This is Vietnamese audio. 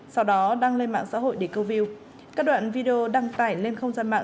sau đó đăng lên mạng xã hội để câu view các đoạn video đăng tải lên không gian mạng